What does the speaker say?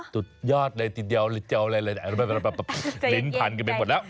ตุ๊ดยาดเลยติดเดี๋ยวลิ้นผันกันเป็นหมดแล้ว